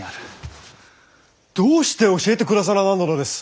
どうして教えて下さらなんだのです！？